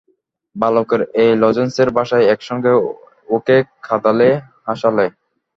বালকের এই লজেঞ্জসের ভাষায় একসঙ্গে ওকে কাঁদালে হাসালে।